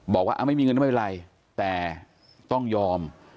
บอกว่าไม่มีเงินไม่เป็นไรแต่ต้องยอม